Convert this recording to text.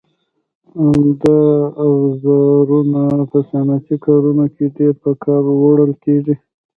دا اوزارونه په صنعتي کارونو کې ډېر په کار وړل کېږي.